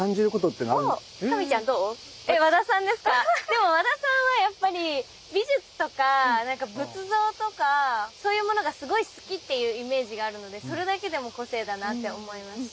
でも和田さんはやっぱり美術とか何か仏像とかそういうものがすごい好きっていうイメージがあるのでそれだけでも個性だなって思いますし。